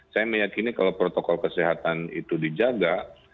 saya meyakini kalau protokol kesehatan itu dijaga